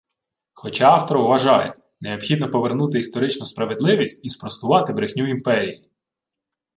Хоча автор вважає: необхідно повернути історичну справедливість і спростувати брехню імперії